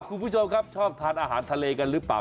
คุณผู้ชมครับชอบทานอาหารทะเลกันหรือเปล่า